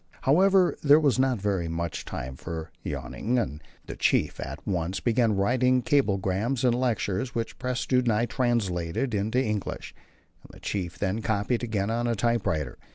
However, there was not very much time for yarning. The Chief at once began writing cablegrams and lectures, which Prestrud and I translated into English, and the Chief then copied again on a typewriter.